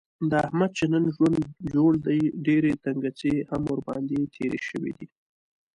د احمد چې نن ژوند جوړ دی، ډېر تنګڅۍ هم ورباندې تېرې شوي دي.